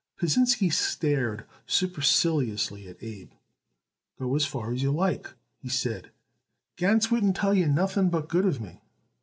Pasinsky stared superciliously at Abe. "Go as far as you like," he said. "Gans wouldn't tell you nothing but good of me.